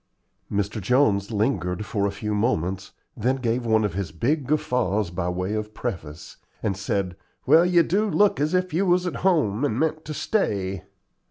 Mr. Jones lingered for a few moments, then gave one of his big guffaws by way of preface, and said: "Well, you do look as if you was at home and meant to stay.